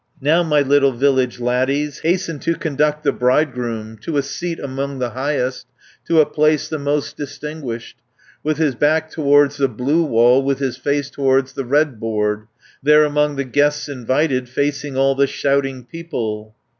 "Now my little village laddies, Hasten to conduct the bridegroom 220 To a seat among the highest, To a place the most distinguished, With his back towards the blue wall, With his face towards the red board, There among the guests invited, Facing all the shouting people."